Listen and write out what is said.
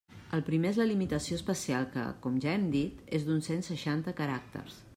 El primer és la limitació espacial que, com ja hem dit, és d'uns cent seixanta caràcters.